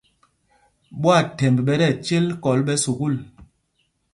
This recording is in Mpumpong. Ɓwaathɛmb ɓɛ tí ɛcêl kɔl ɓɛ̌ sukûl.